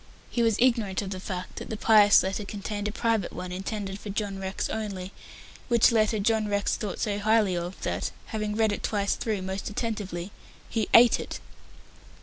He was ignorant of the fact that the pious letter contained a private one intended for John Rex only, which letter John Rex thought so highly of, that, having read it twice through most attentively, he ate it.